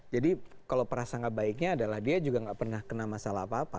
jadi kalau perasaan kebaiknya adalah dia juga nggak pernah kena masalah apa apa